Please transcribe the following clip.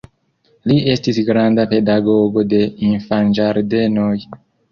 Li estis granda pedagogo de infanĝardenoj.